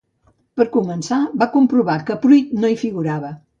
Per començar, va comprovar que Pruit no hi figurava.